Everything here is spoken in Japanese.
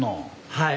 はい。